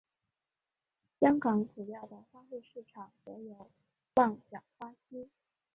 香港主要的花卉市场则有旺角花墟。